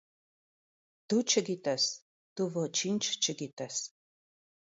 Դու չգիտես, դու ոչինչ չգիտես…